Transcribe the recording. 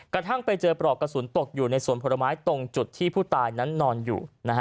กระทั่งไปเจอปลอกกระสุนตกอยู่ในสวนผลไม้ตรงจุดที่ผู้ตายนั้นนอนอยู่